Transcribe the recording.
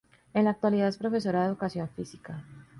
En la actualidad es profesora de Educación Física.